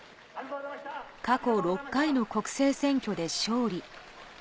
過去６回の国政選挙で勝利。